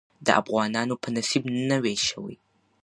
د افغانانو په نصيب نوى شوې.